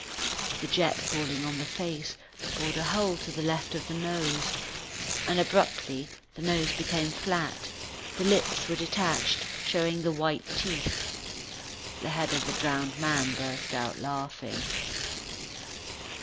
The jet falling on the face, bored a hole to the left of the nose. And, abruptly, the nose became flat, the lips were detached, showing the white teeth. The head of the drowned man burst out laughing.